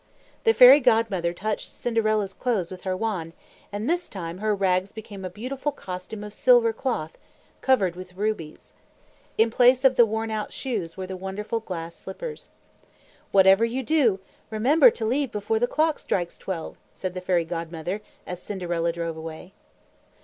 The Fairy Godmother touched Cinderella's clothes with her wand, and this time her rags became a beautiful costume of silver cloth, covered with rubies. In place of the worn out shoes were the wonderful glass slippers. "Whatever you do, remember to leave before the clock strikes twelve," said the Fairy Godmother, as Cinderella drove away.